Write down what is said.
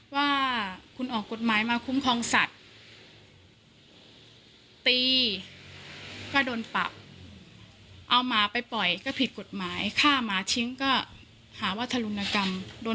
ว่าคุณออกกฎหมายมาคุ้มครองสัตว์ตีก็โดนปรับเอาหมาไปปล่อยก็ผิดกฎหมายฆ่าหมาทิ้งก็หาวัฒรุณกรรม